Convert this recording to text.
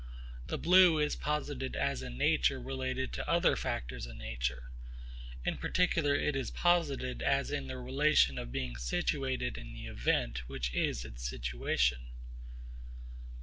The blue is posited as in nature related to other factors in nature. In particular it is posited as in the relation of being situated in the event which is its situation.